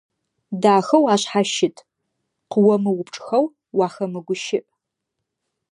Дахэу ашъхьащыт, къыомыупчӀхэу уахэмыгущыӀ.